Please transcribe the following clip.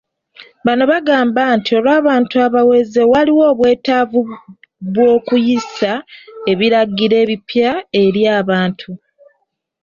Bano bagamba nti olw'abantu abaweze waliwo obwetaavu bw'okuyisa ebiragiro ebipya eri abantu.